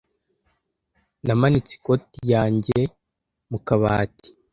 Namanitse ikoti yanjye mu kabati.